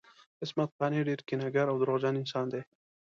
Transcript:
عصمت قانع ډیر کینه ګر او درواغجن انسان دی